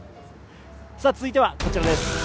続いては、こちらです。